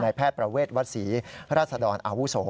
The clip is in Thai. นายแพทย์ประเวทวัศสีรัสดรอาวุโส